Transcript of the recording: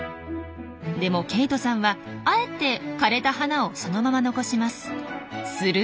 でもケイトさんはあえて枯れた花をそのまま残します。